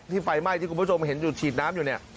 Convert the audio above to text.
ไฟไหม้ที่คุณผู้ชมเห็นอยู่ฉีดน้ำอยู่เนี่ย